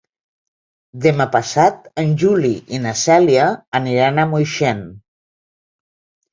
Demà passat en Juli i na Cèlia aniran a Moixent.